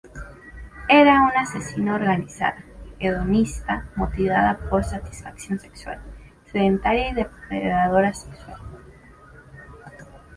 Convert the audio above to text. Era una asesina organizada, hedonista motivada por satisfacción sexual, sedentaria y depredadora sexual.